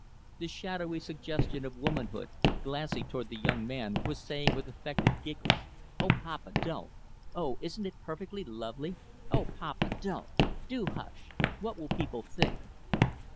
The shadowy suggestion of womanhood glancing toward the young man was saying, with affected giggles, "O papa, don't! Oh isn't it perfectly lovely! O papa, don't! Do hush! What will people think?"